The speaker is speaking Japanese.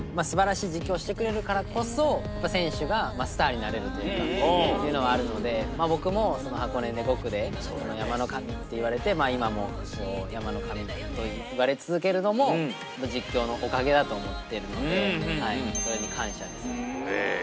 すばらしい実況をしてくれるからこそ、選手がスターになれるというのはあるので、僕も、箱根で５区で山の神って言われて、今も山の神と言われ続けるのも、実況のおかげだと思っているので、それに感謝ですね。